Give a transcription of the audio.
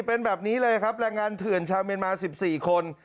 เป็นแบบนี้เลยครับแรงงานเถื่อนชาวเมียนมา๑๔คน